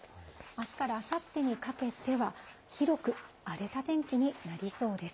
あすからあさってにかけては、広く荒れた天気になりそうです。